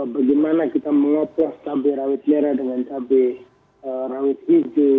bagaimana kita mengoperas kambe rawit merah dengan kambe rawit hijau